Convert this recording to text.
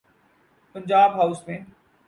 Punjab house میں۔